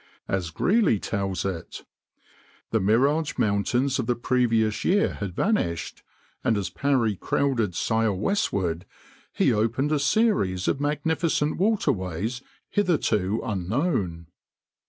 As Greely tells it: The mirage mountains of the previous year had vanished, and as Parry crowded sail westward, he opened a series of magnificent waterways hitherto unknown.